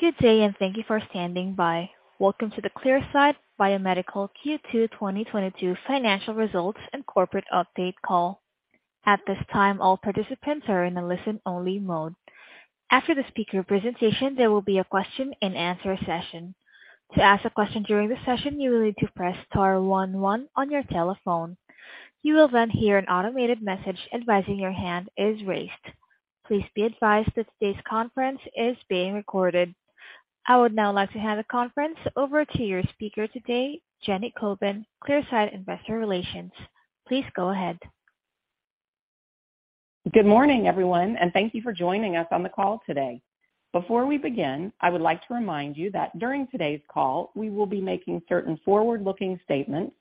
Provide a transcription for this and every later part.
Good day, and thank you for standing by. Welcome to the Clearside Biomedical Q2 2022 financial results and corporate update call. At this time, all participants are in a listen-only mode. After the speaker presentation, there will be a question-and-answer session. To ask a question during the session, you will need to press star one one on your telephone. You will then hear an automated message advising your hand is raised. Please be advised that today's conference is being recorded. I would now like to hand the conference over to your speaker today, Jenny Kobin, Clearside Investor Relations. Please go ahead. Good morning, everyone, and thank you for joining us on the call today. Before we begin, I would like to remind you that during today's call, we will be making certain forward-looking statements.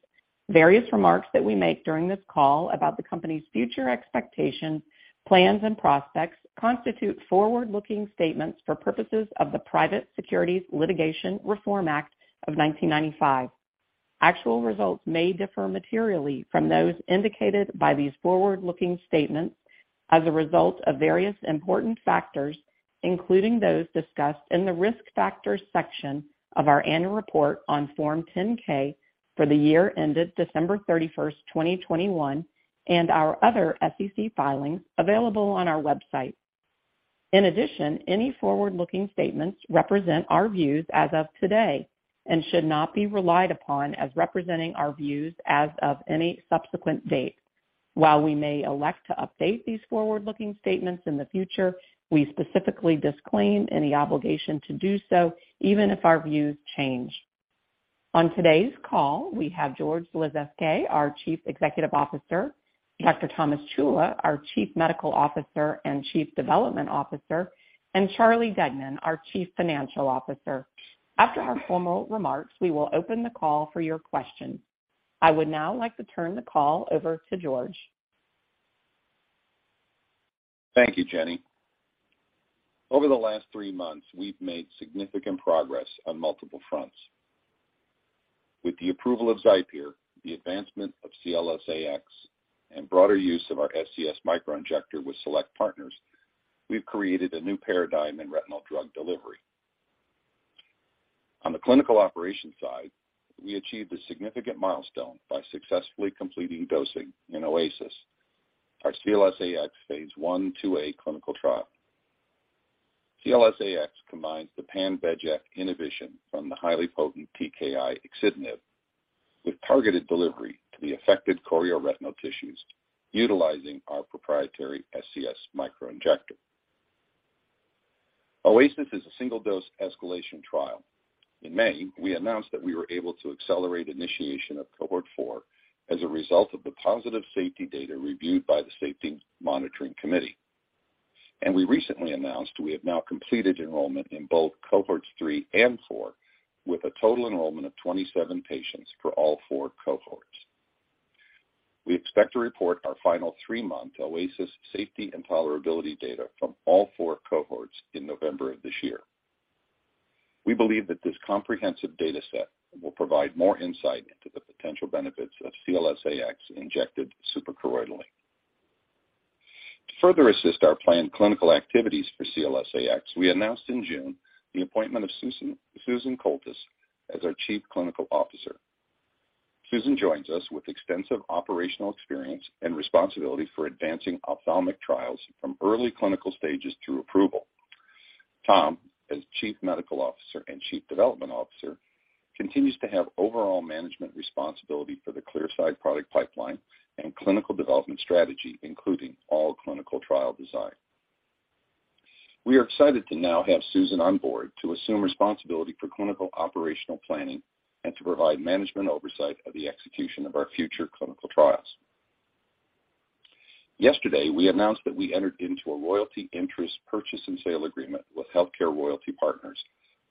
Various remarks that we make during this call about the company's future expectations, plans, and prospects constitute forward-looking statements for purposes of the Private Securities Litigation Reform Act of 1995. Actual results may differ materially from those indicated by these forward-looking statements as a result of various important factors, including those discussed in the Risk Factors section of our annual report on Form 10-K for the year ended December 31st, 2021, and our other SEC filings available on our website. In addition, any forward-looking statements represent our views as of today and should not be relied upon as representing our views as of any subsequent date. While we may elect to update these forward-looking statements in the future, we specifically disclaim any obligation to do so, even if our views change. On today's call, we have George Lasezkay, our Chief Executive Officer, Dr. Thomas Ciulla, our Chief Medical Officer and Chief Development Officer, and Charlie Deignan, our Chief Financial Officer. After our formal remarks, we will open the call for your questions. I would now like to turn the call over to George. Thank you, Jenny. Over the last three months, we've made significant progress on multiple fronts. With the approval of XIPERE, the advancement of CLS-AX, and broader use of our SCS Microinjector with select partners, we've created a new paradigm in retinal drug delivery. On the clinical operations side, we achieved a significant milestone by successfully completing dosing in OASIS, our CLS-AX phase I/II-A clinical trial. CLS-AX combines the pan-VEGF inhibition from the highly potent TKI axitinib with targeted delivery to the affected chorioretinal tissues utilizing our proprietary SCS Microinjector. OASIS is a single-dose escalation trial. In May, we announced that we were able to accelerate initiation of Cohort 4 as a result of the positive safety data reviewed by the Safety Monitoring Committee. We recently announced we have now completed enrollment in both Cohorts 3 and 4, with a total enrollment of 27 patients for all four cohorts. We expect to report our final 3-month OASIS safety and tolerability data from all four cohorts in November of this year. We believe that this comprehensive data set will provide more insight into the potential benefits of CLS-AX injected suprachoroidally. To further assist our planned clinical activities for CLS-AX, we announced in June the appointment of Susan Coultas as our Chief Clinical Officer. Susan joins us with extensive operational experience and responsibility for advancing ophthalmic trials from early clinical stages through approval. Tom, as Chief Medical Officer and Chief Development Officer, continues to have overall management responsibility for the Clearside product pipeline and clinical development strategy, including all clinical trial design. We are excited to now have Susan on board to assume responsibility for clinical operational planning and to provide management oversight of the execution of our future clinical trials. Yesterday, we announced that we entered into a royalty interest purchase and sale agreement with HealthCare Royalty Partners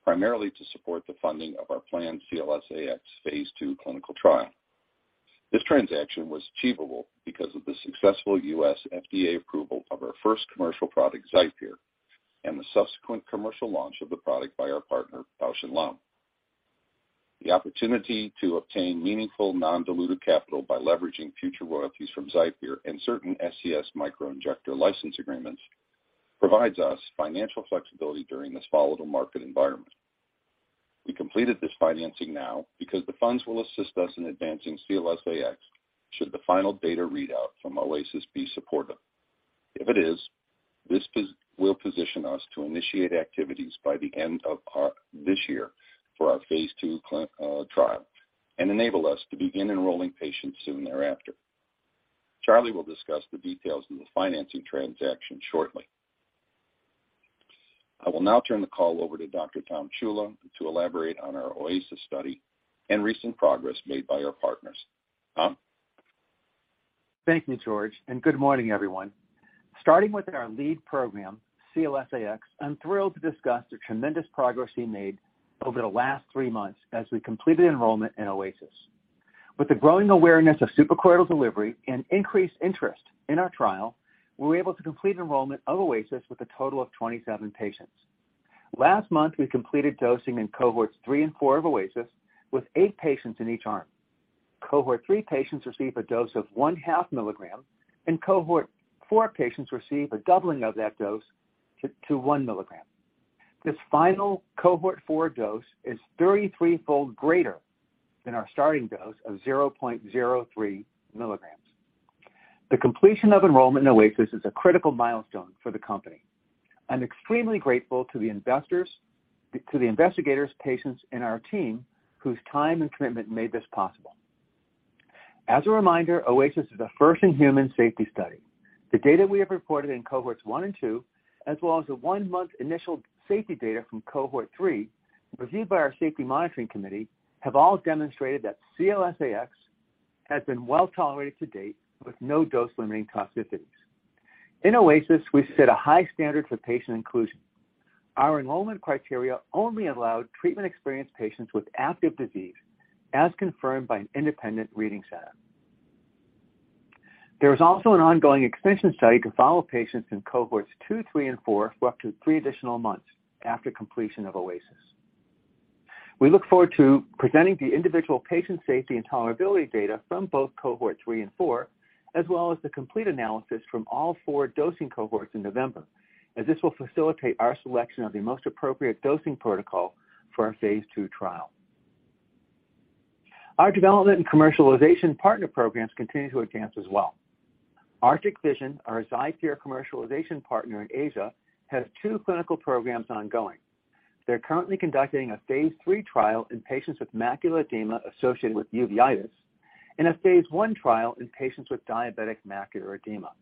primarily to support the funding of our planned CLS-AX phase II clinical trial. This transaction was achievable because of the successful U.S. FDA approval of our first commercial product, XIPERE, and the subsequent commercial launch of the product by our partner, Bausch + Lomb. The opportunity to obtain meaningful non-diluted capital by leveraging future royalties from XIPERE and certain SCS Microinjector license agreements provides us financial flexibility during this volatile market environment. We completed this financing now because the funds will assist us in advancing CLS-AX should the final data readout from OASIS be supportive. If it is, this will position us to initiate activities by the end of this year for our phase II clinical trial and enable us to begin enrolling patients soon thereafter. Charlie will discuss the details of the financing transaction shortly. I will now turn the call over to Dr. Tom Ciulla to elaborate on our OASIS study and recent progress made by our partners. Tom? Thank you, George, and good morning, everyone. Starting with our lead program, CLS-AX, I'm thrilled to discuss the tremendous progress we made over the last 3 months as we completed enrollment in OASIS. With the growing awareness of suprachoroidal delivery and increased interest in our trial, we were able to complete enrollment of OASIS with a total of 27 patients. Last month, we completed dosing in Cohorts 3 and 4 of OASIS with eight patients in each arm. Cohort 3 patients receive a dose of 0.5 mg, and Cohort 4 patients receive a doubling of that dose to 1 mg. This final Cohort 4 dose is 33-fold greater than our starting dose of 0.03 mg. The completion of enrollment in OASIS is a critical milestone for the company. I'm extremely grateful to the investors, to the investigators, patients, and our team whose time and commitment made this possible. As a reminder, OASIS is a first-in-human safety study. The data we have reported in Cohorts 1 and 2, as well as the one-month initial safety data from Cohort 3, reviewed by our Safety Monitoring Committee, have all demonstrated that CLS-AX has been well-tolerated to date with no dose-limiting toxicities. In OASIS, we set a high standard for patient inclusion. Our enrollment criteria only allowed treatment-experienced patients with active disease, as confirmed by an independent reading center. There is also an ongoing extension study to follow patients in Cohorts 2, 3, and 4 for up to 3 additional months after completion of OASIS. We look forward to presenting the individual patient safety and tolerability data from both Cohort 3 and 4, as well as the complete analysis from all four dosing cohorts in November, as this will facilitate our selection of the most appropriate dosing protocol for our phase II trial. Our development and commercialization partner programs continue to advance as well. Arctic Vision, our XIPERE commercialization partner in Asia, has two clinical programs ongoing. They're currently conducting a phase III trial in patients with macular edema associated with uveitis, and a phase I trial in patients with diabetic macular edema.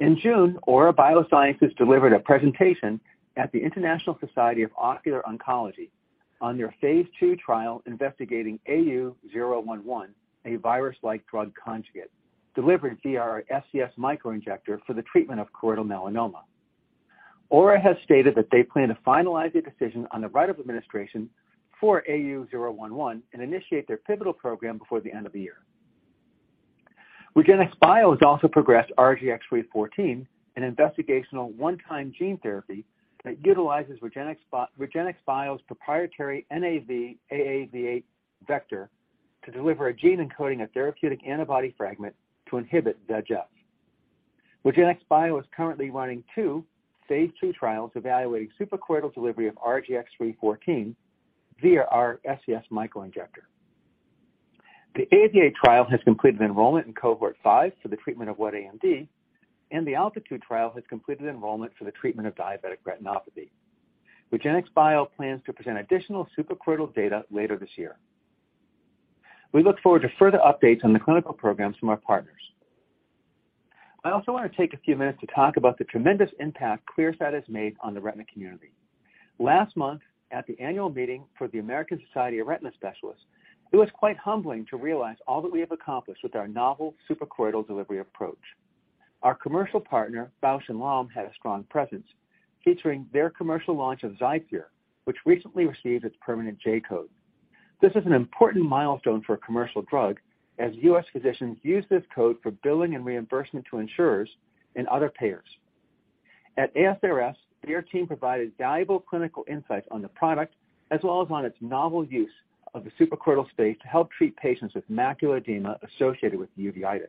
In June, Aura Biosciences delivered a presentation at the International Society of Ocular Oncology on their phase II trial investigating AU-011, a virus-like drug conjugate delivered via our SCS Microinjector for the treatment of choroidal melanoma. Aura has stated that they plan to finalize a decision on the route of administration for AU-011 and initiate their pivotal program before the end of the year. REGENXBIO has also progressed RGX-314, an investigational one-time gene therapy that utilizes REGENXBIO's proprietary NAV AAV8 vector to deliver a gene encoding a therapeutic antibody fragment to inhibit VEGF. REGENXBIO is currently running two phase II trials evaluating suprachoroidal delivery of RGX-314 via our SCS Microinjector. The AAVIATE trial has completed enrollment in Cohort 5 for the treatment of wet AMD, and the ALTITUDE trial has completed enrollment for the treatment of diabetic retinopathy. REGENXBIO plans to present additional suprachoroidal data later this year. We look forward to further updates on the clinical programs from our partners. I also want to take a few minutes to talk about the tremendous impact Clearside has made on the retina community. Last month, at the annual meeting for the American Society of Retina Specialists, it was quite humbling to realize all that we have accomplished with our novel suprachoroidal delivery approach. Our commercial partner, Bausch + Lomb, had a strong presence featuring their commercial launch of XIPERE, which recently received its permanent J-code. This is an important milestone for a commercial drug as U.S. physicians use this code for billing and reimbursement to insurers and other payers. At ASRS, their team provided valuable clinical insights on the product as well as on its novel use of the suprachoroidal space to help treat patients with macular edema associated with uveitis.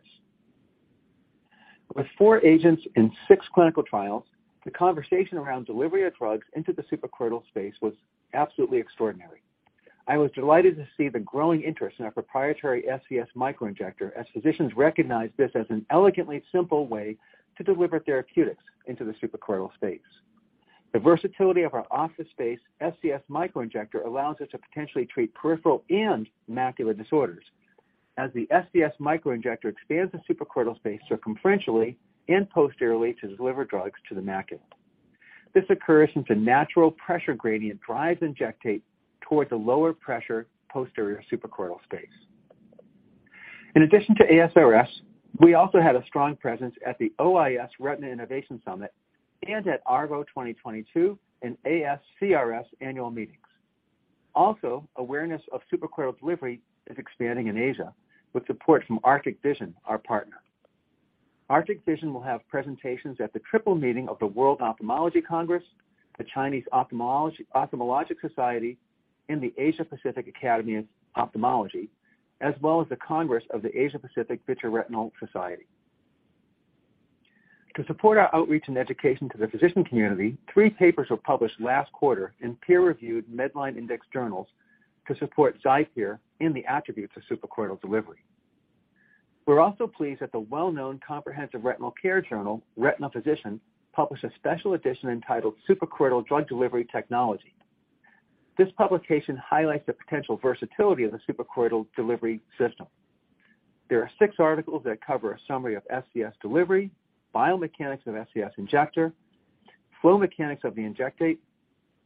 With four agents in six clinical trials, the conversation around delivery of drugs into the suprachoroidal space was absolutely extraordinary. I was delighted to see the growing interest in our proprietary SCS Microinjector as physicians recognize this as an elegantly simple way to deliver therapeutics into the suprachoroidal space. The versatility of our office-based SCS Microinjector allows us to potentially treat peripheral and macular disorders as the SCS Microinjector expands the suprachoroidal space circumferentially and posteriorly to deliver drugs to the macula. This occurs since a natural pressure gradient drives injectate towards a lower pressure posterior suprachoroidal space. In addition to ASRS, we also had a strong presence at the OIS Retina Innovation Summit and at ARVO 2022 and ASCRS annual meetings. Awareness of suprachoroidal delivery is expanding in Asia with support from Arctic Vision, our partner. Arctic Vision will have presentations at the triple meeting of the World Ophthalmology Congress, the Chinese Ophthalmological Society, and the Asia-Pacific Academy of Ophthalmology, as well as the Congress of the Asia-Pacific Vitreoretinal Society. To support our outreach and education to the physician community, three papers were published last quarter in peer-reviewed MEDLINE-indexed journals to support XIPERE in the attributes of suprachoroidal delivery. We're also pleased that the well-known comprehensive retinal care journal, Retinal Physician, published a special edition entitled Suprachoroidal Drug Delivery Technology. This publication highlights the potential versatility of the suprachoroidal delivery system. There are six articles that cover a summary of SCS delivery, biomechanics of SCS injector, flow mechanics of the injectate,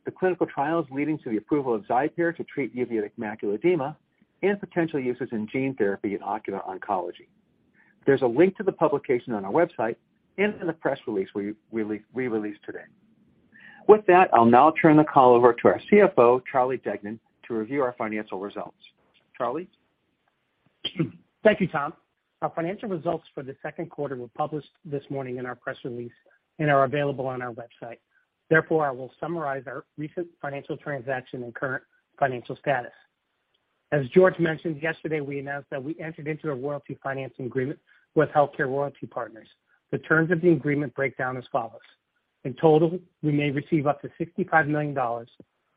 the clinical trials leading to the approval of XIPERE to treat uveitic macular edema, and potential uses in gene therapy and ocular oncology. There's a link to the publication on our website and in the press release we released today. With that, I'll now turn the call over to our CFO, Charlie Deignan, to review our financial results. Charlie? Thank you, Tom. Our financial results for the second quarter were published this morning in our press release and are available on our website. Therefore, I will summarize our recent financial transaction and current financial status. As George mentioned yesterday, we announced that we entered into a royalty financing agreement with HealthCare Royalty Partners. The terms of the agreement break down as follows. In total, we may receive up to $65 million,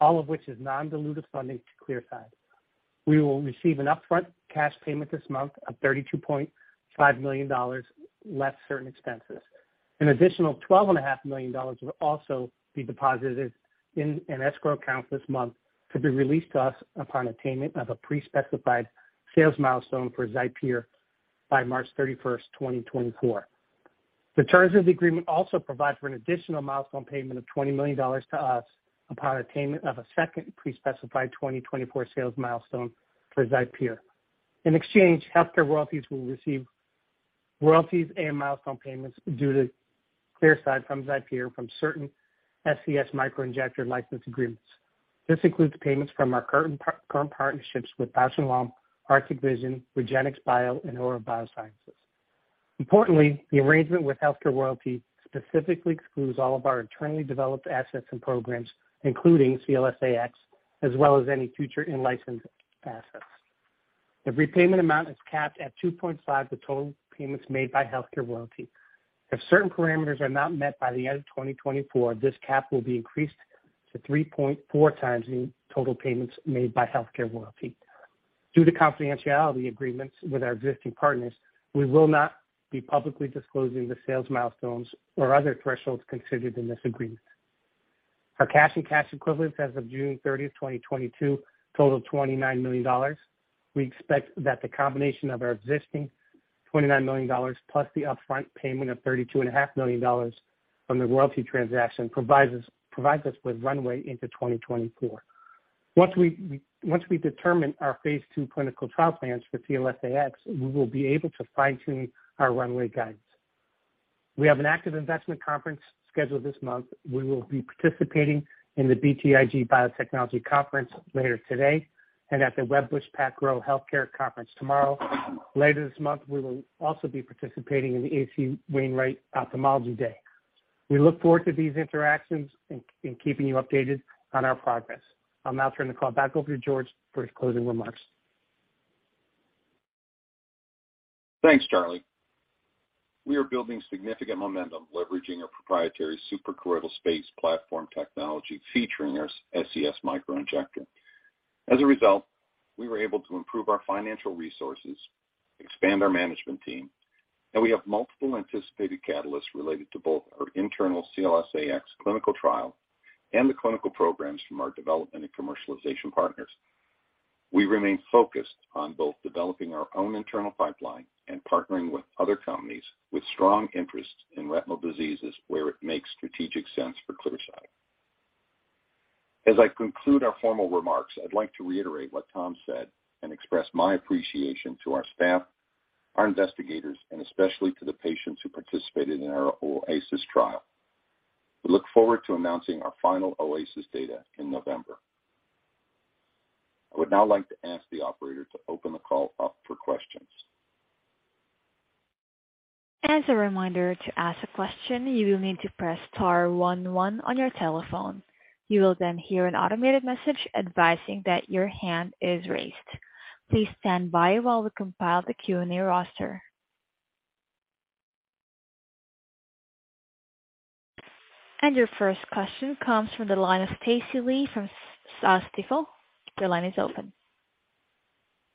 all of which is non-dilutive funding to Clearside. We will receive an upfront cash payment this month of $32.5 million, less certain expenses. An additional $12.5 million will also be deposited in an escrow account this month to be released to us upon attainment of a pre-specified sales milestone for XIPERE by March 31st, 2024. The terms of the agreement also provide for an additional milestone payment of $20 million to us upon attainment of a second pre-specified 2024 sales milestone for XIPERE. In exchange, HealthCare Royalty Partners will receive royalties and milestone payments due to Clearside from XIPERE from certain SCS Microinjector license agreements. This includes payments from our current partnerships with Bausch + Lomb, Arctic Vision, REGENXBIO, and Aura Biosciences. Importantly, the arrangement with HealthCare Royalty specifically excludes all of our internally developed assets and programs, including CLS-AX, as well as any future in-licensed assets. The repayment amount is capped at 2.5x the total payments made by HealthCare Royalty Partners. If certain parameters are not met by the end of 2024, this cap will be increased to 3.4x the total payments made by HealthCare Royalty. Due to confidentiality agreements with our existing partners, we will not be publicly disclosing the sales milestones or other thresholds considered in this agreement. Our cash and cash equivalents as of June 30th, 2022, total $29 million. We expect that the combination of our existing $29 million plus the upfront payment of $32.5 million from the royalty transaction provides us with runway into 2024. Once we determine our phase II clinical trial plans for CLS-AX, we will be able to fine-tune our runway guidance. We have an active investment conference scheduled this month. We will be participating in the BTIG Biotechnology Conference later today and at the Wedbush PacGrow Healthcare Conference tomorrow. Later this month, we will also be participating in the H.C. Wainwright Ophthalmology Day. We look forward to these interactions and keeping you updated on our progress. I'll now turn the call back over to George for his closing remarks. Thanks, Charlie. We are building significant momentum, leveraging our proprietary suprachoroidal space platform technology featuring our SCS Microinjector. As a result, we were able to improve our financial resources, expand our management team, and we have multiple anticipated catalysts related to both our internal CLS-AX clinical trial and the clinical programs from our development and commercialization partners. We remain focused on both developing our own internal pipeline and partnering with other companies with strong interest in retinal diseases where it makes strategic sense for Clearside. As I conclude our formal remarks, I'd like to reiterate what Tom said and express my appreciation to our staff, our investigators, and especially to the patients who participated in our OASIS trial. We look forward to announcing our final OASIS data in November. I would now like to ask the operator to open the call up for questions. As a reminder, to ask a question, you will need to press star one one on your telephone. You will then hear an automated message advising that your hand is raised. Please stand by while we compile the Q&A roster. Your first question comes from the line of Stacy Lee from Stifel. Your line is open.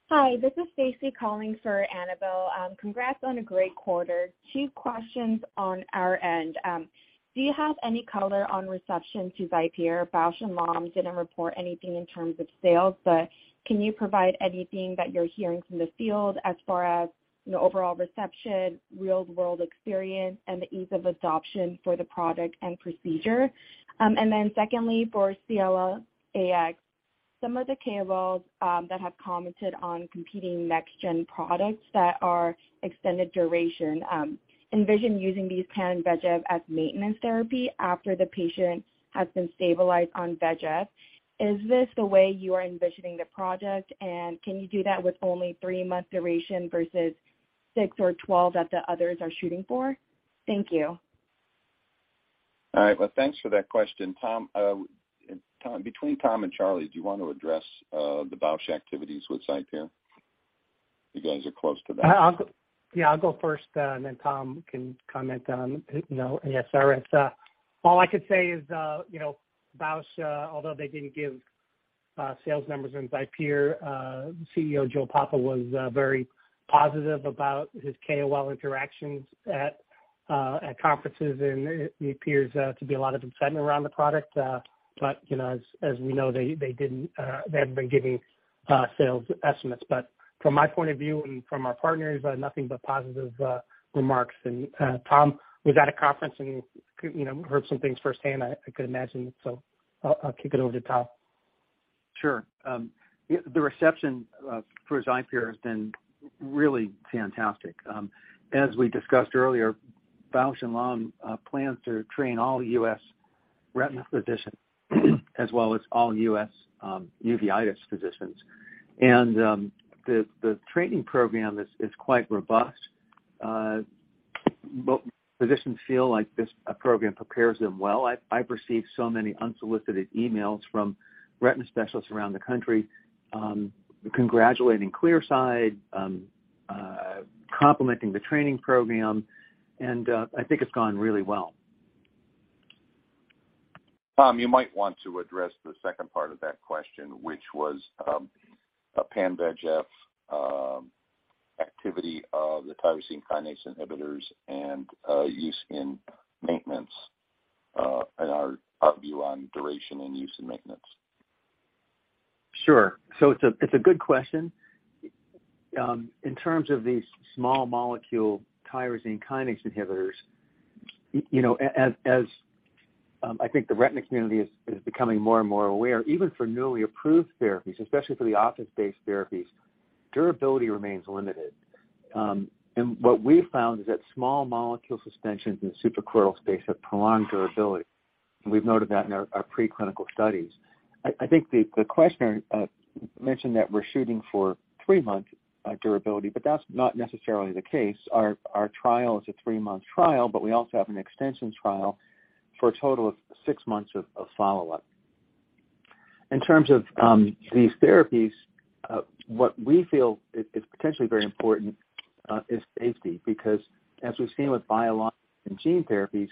Hi, this is Stacy calling for Annabel. Congrats on a great quarter. Two questions on our end. Do you have any color on reception to XIPERE? Bausch + Lomb didn't report anything in terms of sales, but can you provide anything that you're hearing from the field as far as, you know, overall reception, real-world experience, and the ease of adoption for the product and procedure? And then secondly, for CLS-AX, some of the KOLs that have commented on competing next gen products that are extended duration envision using these pan-VEGF as maintenance therapy after the patient has been stabilized on VEGF. Is this the way you are envisioning the project, and can you do that with only 3-month duration versus 6 or 12 that the others are shooting for? Thank you. All right. Well, thanks for that question. Tom, between Tom and Charlie, do you want to address the Bausch + Lomb activities with XIPERE? You guys are close to that. I'll go first, and then Tom can comment on, you know, ASRS. All I could say is, you know, Bausch + Lomb, although they didn't give sales numbers on XIPERE, CEO Joe Papa was very positive about his KOL interactions at conferences, and it appears to be a lot of excitement around the product. You know, as we know, they haven't been giving sales estimates. From my point of view and from our partners, nothing but positive remarks. Tom was at a conference and, you know, heard some things firsthand, I could imagine. I'll kick it over to Tom. Sure. The reception for XIPERE has been really fantastic. As we discussed earlier, Bausch + Lomb plans to train all U.S. retina physicians as well as all U.S., uveitis physicians. The training program is quite robust. Physicians feel like this program prepares them well. I've received so many unsolicited emails from retina specialists around the country, congratulating Clearside, complimenting the training program, and I think it's gone really well. Tom, you might want to address the second part of that question, which was, a pan-VEGF activity of the tyrosine kinase inhibitors and use in maintenance and our view on duration and use in maintenance. Sure. It's a good question. In terms of these small molecule tyrosine kinase inhibitors, I think the retina community is becoming more and more aware, even for newly approved therapies, especially for the office-based therapies, durability remains limited. What we found is that small molecule suspensions in the suprachoroidal space have prolonged durability, and we've noted that in our preclinical studies. I think the questioner mentioned that we're shooting for 3-month durability, but that's not necessarily the case. Our trial is a 3-month trial, but we also have an extension trial for a total of 6 months of follow-up. In terms of these therapies, what we feel is potentially very important is safety, because as we've seen with biologic and gene therapies,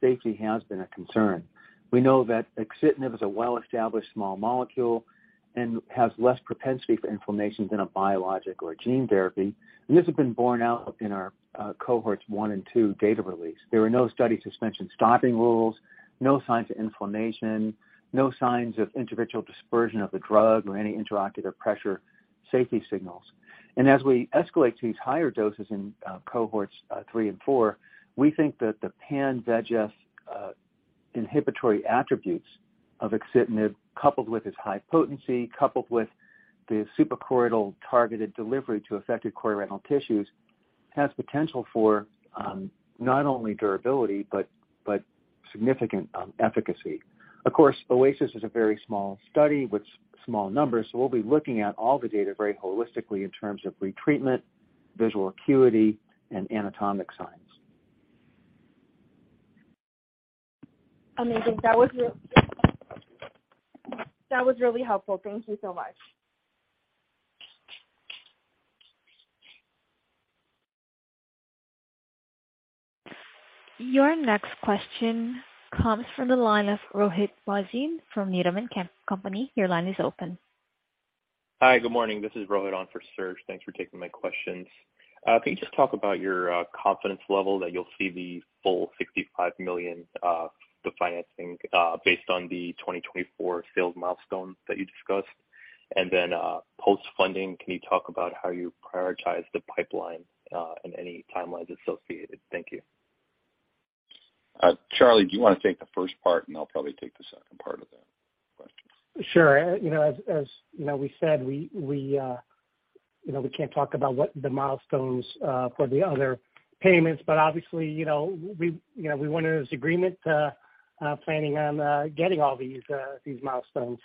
safety has been a concern. We know that axitinib is a well-established small molecule and has less propensity for inflammation than a biologic or a gene therapy. This has been borne out in our Cohorts 1 and 2 data release. There were no study suspension stopping rules, no signs of inflammation, no signs of intraocular dispersion of the drug or any intraocular pressure safety signals. As we escalate to these higher doses in Cohorts 3 and 4, we think that the pan-VEGF inhibitory attributes of axitinib, coupled with its high potency, coupled with the suprachoroidal targeted delivery to affected choroidal tissues, has potential for not only durability, but significant efficacy. Of course, OASIS is a very small study with small numbers, so we'll be looking at all the data very holistically in terms of retreatment, visual acuity, and anatomic signs. Amazing. That was really helpful. Thank you so much. Your next question comes from the line of Rohit Bhasin from Needham & Company. Your line is open. Hi. Good morning. This is Rohit on for Serge. Thanks for taking my questions. Can you just talk about your confidence level that you'll see the full $65 million, the financing, based on the 2024 sales milestone that you discussed? Post-funding, can you talk about how you prioritize the pipeline, and any timelines associated? Thank you. Charlie, do you wanna take the first part, and I'll probably take the second part of that question. Sure. You know, as you know, we said, you know, we can't talk about what the milestones for the other payments, but obviously, you know, we went into this agreement planning on getting all these milestones.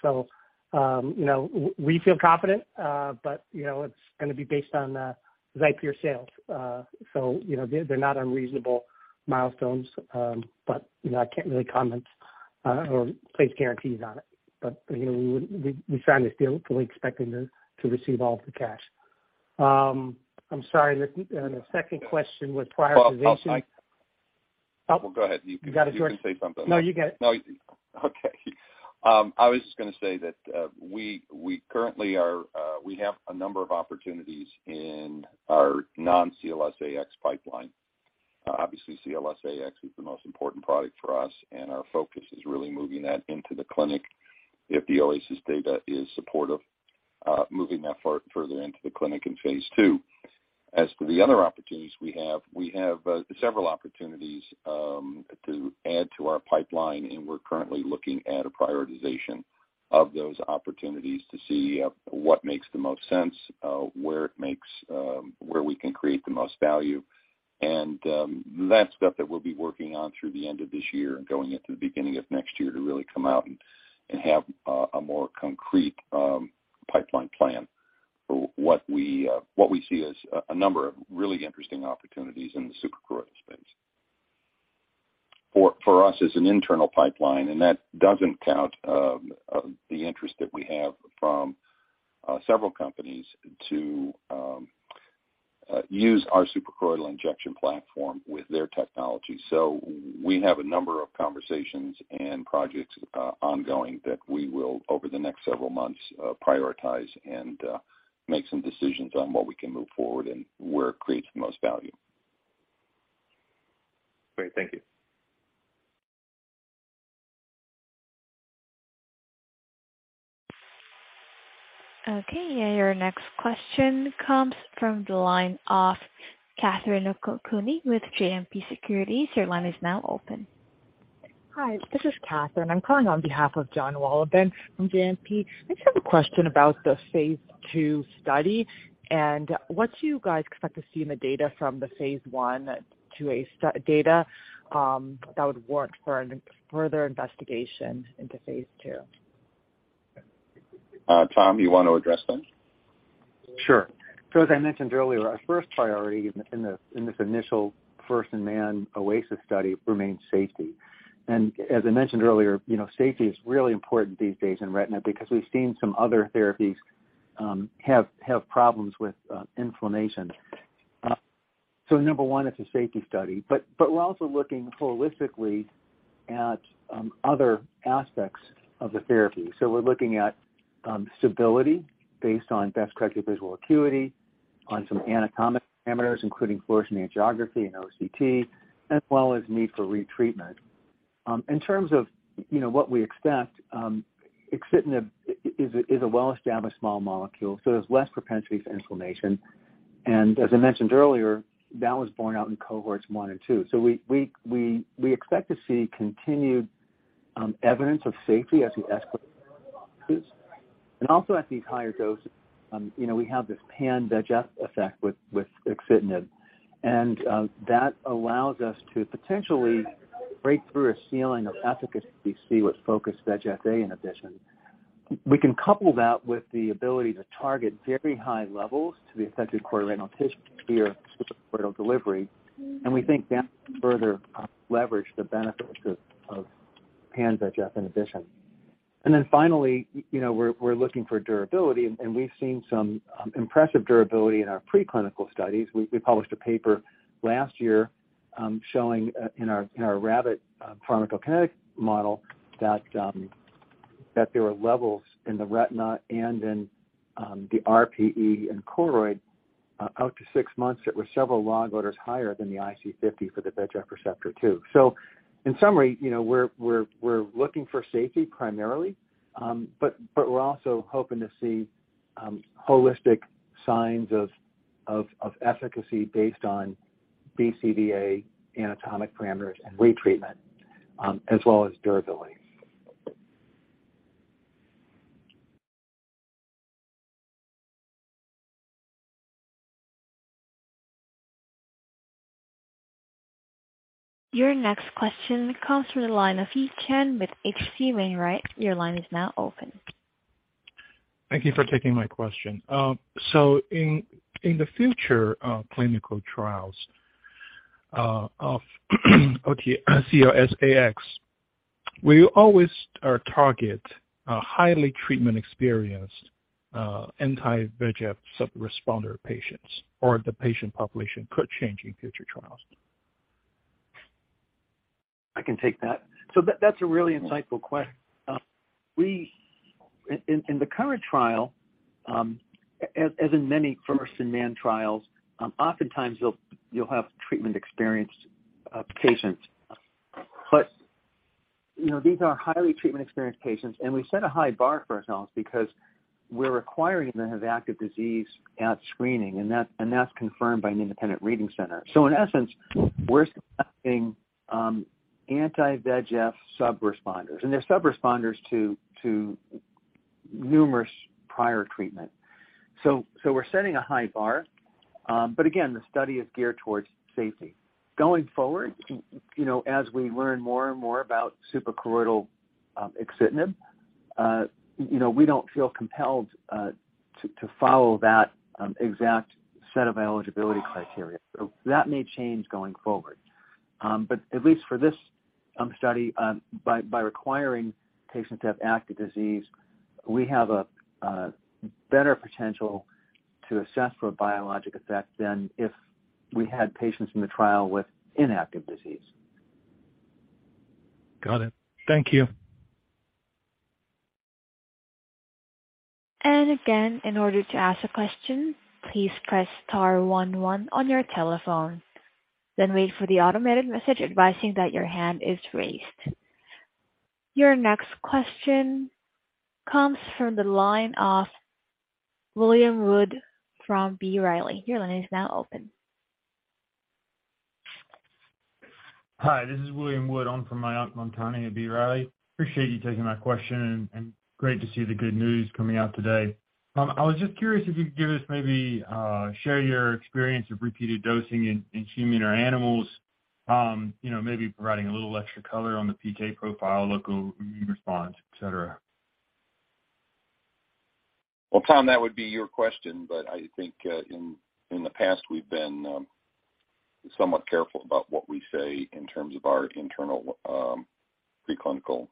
You know, we feel confident, but you know, it's gonna be based on XIPERE sales. You know, they're not unreasonable milestones, but you know, I can't really comment or place guarantees on it. You know, we certainly still fully expecting to receive all of the cash. I'm sorry, and the second question was prioritization. Well. Oh. Well, go ahead. You can. You got it, George. You can say something. No, you got it. No. Okay. I was just gonna say that we currently have a number of opportunities in our non-CLS-AX pipeline. Obviously CLS-AX is the most important product for us, and our focus is really moving that into the clinic if the OASIS data is supportive, moving that further into the clinic in phase II. As to the other opportunities we have, we have several opportunities to add to our pipeline, and we're currently looking at a prioritization of those opportunities to see what makes the most sense, where we can create the most value. That's stuff that we'll be working on through the end of this year and going into the beginning of next year to really come out and have a more concrete pipeline plan for what we see as a number of really interesting opportunities in the suprachoroidal space. For us as an internal pipeline, and that doesn't count the interest that we have from several companies to use our suprachoroidal injection platform with their technology. We have a number of conversations and projects ongoing that we will, over the next several months, prioritize and make some decisions on what we can move forward and where it creates the most value. Great. Thank you. Okay. Your next question comes from the line of Catherine Okoukoni with JMP Securities. Your line is now open. Hi, this is Catherine. I'm calling on behalf of Jonathan Wolleben from JMP. I just have a question about the phase II stury and what do you guys expect to see in the data from the phase I/II-A study data that would warrant a further investigation into phase II? Tom, you want to address that? Sure. As I mentioned earlier, our first priority in this initial first-in-man OASIS study remains safety. As I mentioned earlier, you know, safety is really important these days in retina because we've seen some other therapies have problems with inflammation. Number one, it's a safety study. We're also looking holistically at other aspects of the therapy. We're looking at stability based on best-corrected visual acuity, on some anatomic parameters, including fluorescein angiography and OCT, as well as need for retreatment. In terms of what we expect, axitinib is a well-established small molecule, so there's less propensity for inflammation. As I mentioned earlier, that was borne out in Cohorts 1 and 2. We expect to see continued evidence of safety as we escalate. Also at these higher doses, you know, we have this pan-VEGF effect with axitinib. That allows us to potentially break through a ceiling of efficacy we see with focused VEGF-A in addition. We can couple that with the ability to target very high levels to the affected choroidal tissue via suprachoroidal delivery. We think that can further leverage the benefits of pan-VEGF in addition. Finally, you know, we're looking for durability, and we've seen some impressive durability in our preclinical studies. We published a paper last year showing in our rabbit pharmacokinetic model that there were levels in the retina and in the RPE and choroid out to six months that were several log orders higher than the IC50 for the VEGF receptor 2. In summary, you know, we're looking for safety primarily, but we're also hoping to see holistic signs of efficacy based on BCVA anatomic parameters and retreatment, as well as durability. Your next question comes from the line of Yi Chen with H.C. Wainwright. Your line is now open. Thank you for taking my question. In the future clinical trials of CLS-AX, will you always target a highly treatment-experienced anti-VEGF subresponder patients, or the patient population could change in future trials? I can take that. That's a really insightful question. In the current trial, as in many first-in-man trials, oftentimes you'll have treatment-experienced patients. You know, these are highly treatment-experienced patients, and we set a high bar for ourselves because we're requiring them to have active disease at screening, and that's confirmed by an independent reading center. In essence, we're selecting anti-VEGF subresponders. They're subresponders to numerous prior treatment. We're setting a high bar. Again, the study is geared towards safety. Going forward, you know, as we learn more and more about suprachoroidal axitinib, you know, we don't feel compelled to follow that exact set of eligibility criteria. That may change going forward. At least for this study, by requiring patients to have active disease, we have a better potential to assess for a biologic effect than if we had patients in the trial with inactive disease. Got it. Thank you. Again, in order to ask a question, please press star one one on your telephone, then wait for the automated message advising that your hand is raised. Your next question comes from the line of William Wood from B. Riley. Your line is now open. Hi, this is William Wood. I'm on for Mayank Mamtani of B. Riley. Appreciate you taking my question and great to see the good news coming out today. I was just curious if you could give us maybe share your experience of repeated dosing in human or animals, you know, maybe providing a little extra color on the PK profile, local immune response, etc. Well, Tom, that would be your question, but I think, in the past, we've been somewhat careful about what we say in terms of our internal, preclinical,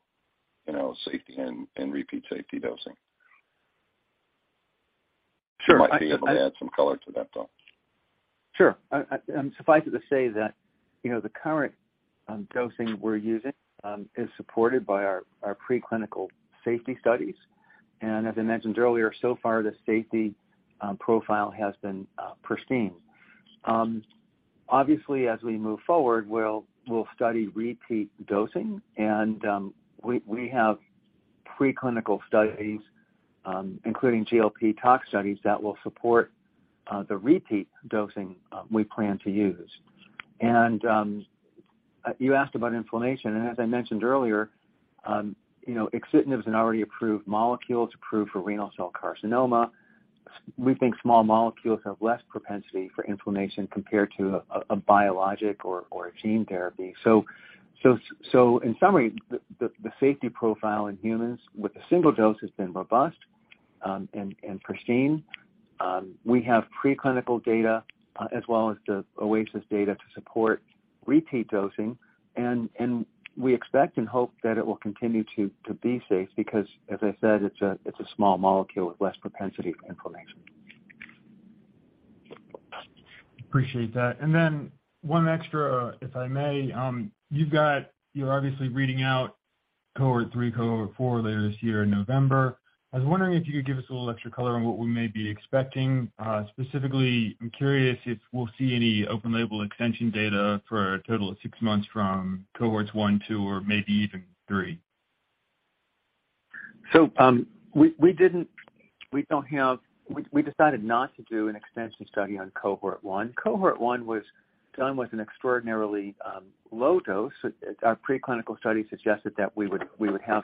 you know, safety and repeat safety dosing. Sure. You might be able to add some color to that, Tom. Sure. Suffice it to say that, you know, the current dosing we're using is supported by our preclinical safety studies. As I mentioned earlier, so far the safety profile has been pristine. Obviously, as we move forward, we'll study repeat dosing. We have preclinical studies, including GLP tox studies that will support the repeat dosing we plan to use. You asked about inflammation, and as I mentioned earlier, you know, axitinib is an already approved molecule. It's approved for renal cell carcinoma. We think small molecules have less propensity for inflammation compared to a biologic or a gene therapy. In summary, the safety profile in humans with a single dose has been robust and pristine. We have preclinical data, as well as the OASIS data to support repeat dosing. We expect and hope that it will continue to be safe because, as I said, it's a small molecule with less propensity for inflammation. Appreciate that. One extra, if I may. You're obviously reading out Cohort 3, Cohort 4 later this year in November. I was wondering if you could give us a little extra color on what we may be expecting. Specifically, I'm curious if we'll see any open label extension data for a total of 6 months from Cohorts 1, 2, or maybe even 3. We decided not to do an extension study on Cohort 1. Cohort 1 was done with an extraordinarily low dose. Our preclinical study suggested that we would have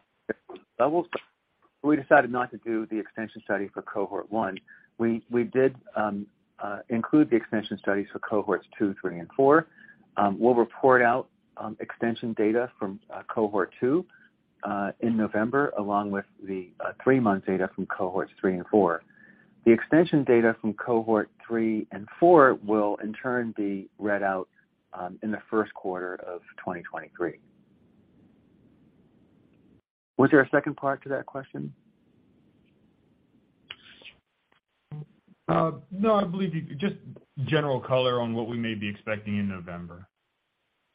levels, but we decided not to do the extension study for Cohort 1. We did include the extension studies for Cohorts 2, 3, and 4. We'll report out extension data from Cohort 2 in November, along with the 3-month data from Cohorts 3 and 4. The extension data from Cohort 3 and 4 will in turn be read out in the first quarter of 2023. Was there a second part to that question? No. I believe you. Just general color on what we may be expecting in November.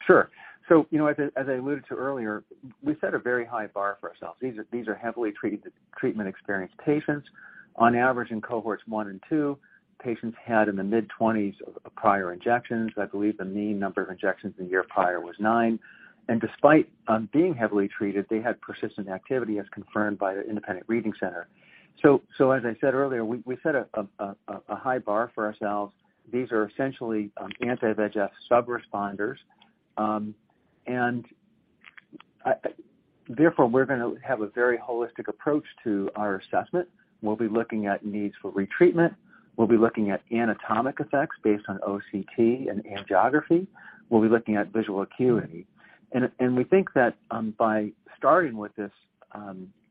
Sure. You know, as I alluded to earlier, we set a very high bar for ourselves. These are heavily treated, treatment experienced patients. On average in cohorts 1 and 2, patients had in the mid-20s of prior injections. I believe the mean number of injections the year prior was nine. Despite being heavily treated, they had persistent activity, as confirmed by an independent reading center. As I said earlier, we set a high bar for ourselves. These are essentially anti-VEGF sub-responders. Therefore, we're gonna have a very holistic approach to our assessment. We'll be looking at needs for retreatment. We'll be looking at anatomic effects based on OCT and angiography. We'll be looking at visual acuity. We think that by starting with this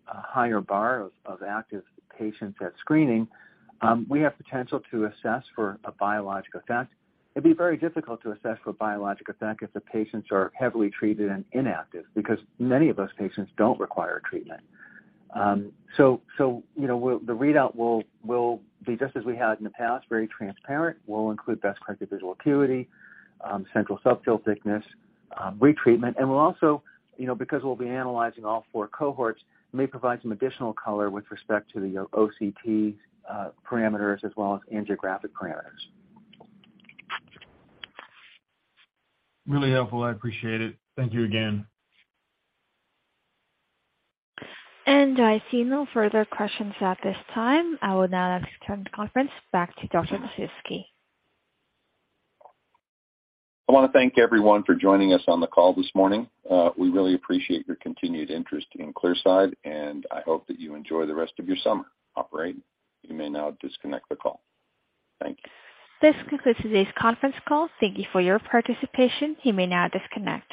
higher bar of active patients at screening, we have potential to assess for a biologic effect. It'd be very difficult to assess for biologic effect if the patients are heavily treated and inactive, because many of those patients don't require treatment. You know, the readout will be just as we had in the past, very transparent. We'll include best corrected visual acuity, central subfield thickness, retreatment, and we'll also, you know, because we'll be analyzing all four cohorts, may provide some additional color with respect to the OCT parameters as well as angiographic parameters. Really helpful. I appreciate it. Thank you again. I see no further questions at this time. I will now turn the conference back to Dr. George Lasezkay. I wanna thank everyone for joining us on the call this morning. We really appreciate your continued interest in Clearside, and I hope that you enjoy the rest of your summer. Operator, you may now disconnect the call. Thank you. This concludes today's conference call. Thank you for your participation. You may now disconnect.